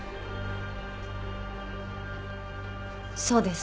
そうです。